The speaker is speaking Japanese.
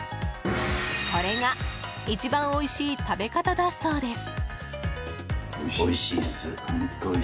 これが一番おいしい食べ方だそうです。